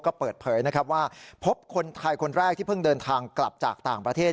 ก็เปิดเผยนะครับว่าพบคนไทยคนแรกที่เพิ่งเดินทางกลับจากต่างประเทศ